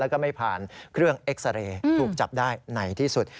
แล้วก็ไม่ผ่านเครื่องเอ็กซาเรย์ถูกจับได้ไหนที่สุด